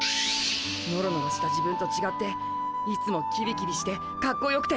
ノロノロした自分とちがっていつもキビキビしてかっこよくて。